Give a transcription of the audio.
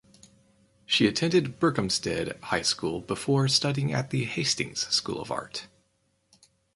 She attended Berkhamsted High School before studying at the Hastings School of Art.